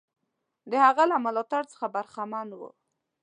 د هغه له ملاتړ څخه برخمن وو.